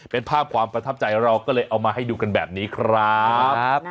เป็นภาพความประทับใจเราก็เลยเอามาให้ดูกันแบบนี้ครับ